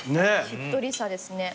しっとりさですね。